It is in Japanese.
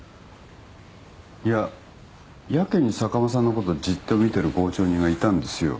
いややけに坂間さんのことじっと見てる傍聴人がいたんですよ。